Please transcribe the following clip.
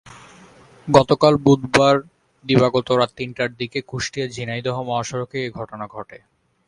গতকাল বুধবার দিবাগত রাত তিনটার দিকে কুষ্টিয়া ঝিনাইদহ মহাসড়কে এ ঘটনা ঘটে।